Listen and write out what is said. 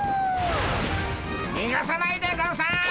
にがさないでゴンス！